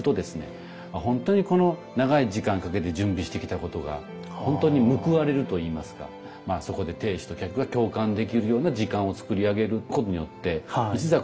本当にこの長い時間をかけて準備してきたことが本当に報われるといいますかそこで亭主と客が共感できるような時間を作り上げることによって一座建立が図れると思うんですよね。